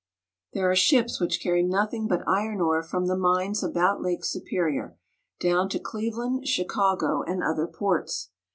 There are ships which carry nothing but iron ore from the mines about Lake Superior, down to Cleve land, Chicago, and other ports.